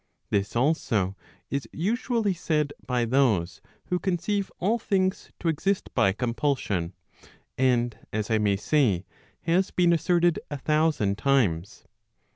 This also, is usually said by those who conceive all things to exist by compulsion, and as I may say, has been asserted a thousand times.